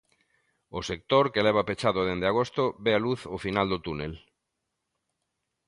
O sector, que leva pechado dende agosto, ve a luz ao final do túnel.